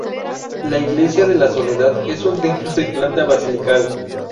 La Iglesia de la Soledad es un templo de planta basilical.